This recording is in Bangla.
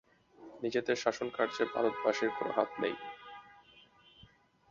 নিজেদের শাসনকার্যে ভারতবাসীর কোন হাত নাই।